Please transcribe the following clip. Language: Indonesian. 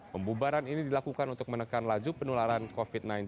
pembubaran ini dilakukan untuk menekan laju penularan covid sembilan belas